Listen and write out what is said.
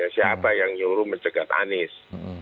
siapa yang nyuruh mencegat anies